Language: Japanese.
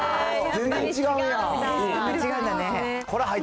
全然違うんだね。